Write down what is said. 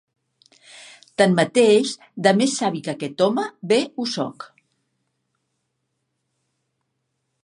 Tanmateix, de més savi que aquest home, bé ho sóc.